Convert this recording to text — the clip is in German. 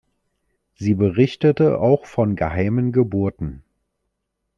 Sie berichtete auch von geheimen Geburten.